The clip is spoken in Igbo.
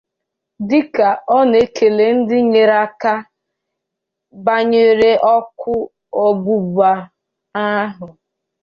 Dịka ọ na-ekele ndị nyere aka mee ka a mara banyere ọkụ ọgbụgba ahụ